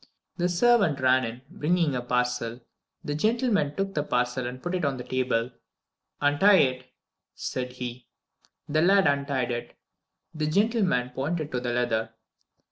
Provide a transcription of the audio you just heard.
The servant ran in, bringing a parcel. The gentleman took the parcel and put it on the table. "Untie it," said he. The lad untied it. The gentleman pointed to the leather.